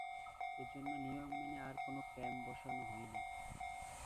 এ জন্য নিয়ম মেনে আর কোনো ক্যাম্প বসানো হয়নি।